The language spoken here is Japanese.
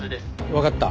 わかった。